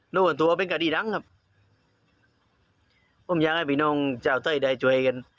โดยส่วนตัวเป็นการีดังครับผมอยากให้พี่น้องเจ้าเต้ยได้ช่วยกัน